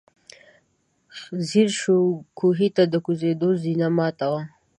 ځير شو، کوهي ته د کوزېدو زينه ماته وه.